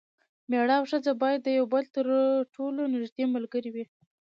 میړه او ښځه باید د یو بل تر ټولو نږدې ملګري وي.